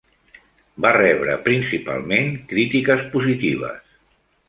Va rebre principalment crítiques positives.